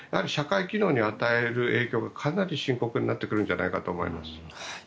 社会機能に与える影響がかなり深刻になってくるんじゃないかと思います。